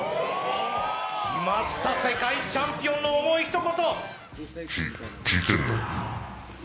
きました、世界チャンピオンの重い一言。